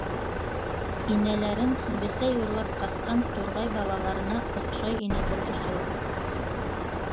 Инәләрен бесәй урлап ҡасҡан турғай балаларына оҡшай ине был өсәү.